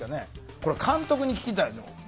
これは監督に聞きたいと思う。